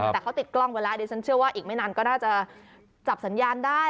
แต่เขาติดกล้องไว้แล้วดิฉันเชื่อว่าอีกไม่นานก็น่าจะจับสัญญาณได้